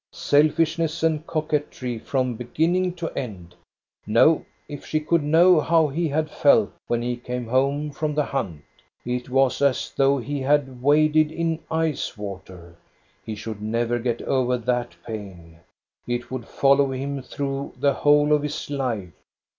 Selfishness and coquetry from beginning to end ! No, if she could know how he had felt when he came home from the hunt. It was as though he had waded in ice water. He should never get over that pain. It would follow him through the whole of his life.